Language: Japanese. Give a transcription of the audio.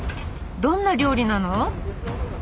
どんな料理なの？